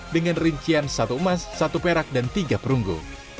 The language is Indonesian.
dengan rincian satu emas satu perak dan tiga perunggu